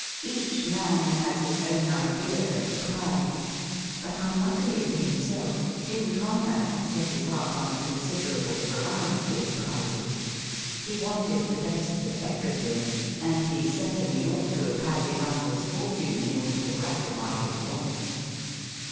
Each man has his own idea of a prize ; but, vmluckily for himself, Jim Conrad had set his heart on a considerable variety of prizes. He wanted the best of everything, and 130 THE RroDLE RING he certainly ought to have had his uncle's fortune in order to gratify his wants.